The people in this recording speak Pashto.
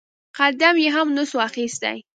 قدم يې هم نسو اخيستى.